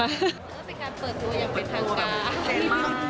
แล้วสิคารเปิดทูลยังเป็นทางการเส้นมาก